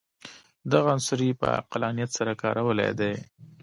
دغه عنصر یې په عقلانیت سره کارولی دی.